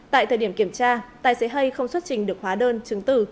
tại thời điểm kiểm tra tài xế hay không xuất trình được hóa đơn chứng tử